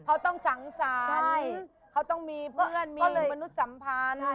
เขาต้องสังสรรค์เขาต้องมีเพื่อนมีมนุษย์สัมพันธ์